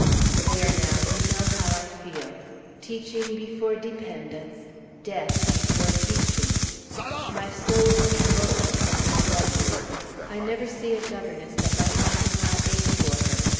There now, you know how I feel! Teaching before dependence, death before teaching. My soul revolts from the drudgery. I never see a governess that my heart does not ache for her.